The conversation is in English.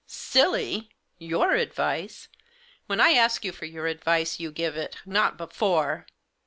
"Silly! [ Your advice! When I ask you for your advice, you give it, not before."